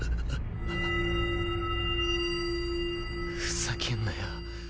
ふざけんなよ。